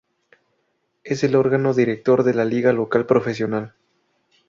Es el órgano director de la liga local profesional.